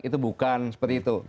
itu bukan seperti itu